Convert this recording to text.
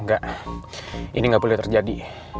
enggak ini nggak boleh terjadi